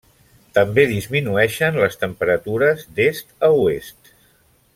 També disminueixen les temperatures d'est a oest.